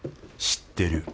知ってる。